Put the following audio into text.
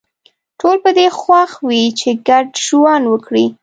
ټول په دې خوښ وي چې ګډ ژوند وکړي